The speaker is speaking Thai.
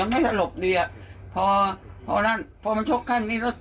มันก็ทืบก็ทืบ